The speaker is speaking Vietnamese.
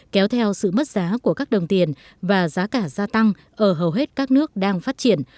kéo theo sự mất giá của các đồng tiền và giá cả gia tăng ở hầu hết các nước đang phát triển